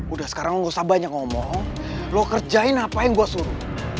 udah sekarang lo gak usah banyak ngomong lo kerjain apa yang gue suruh